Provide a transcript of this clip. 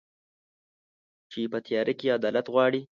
چي په تیاره کي عدالت غواړي